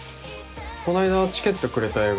この間チケットくれた映画